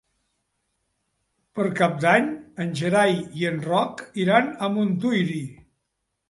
Per Cap d'Any en Gerai i en Roc iran a Montuïri.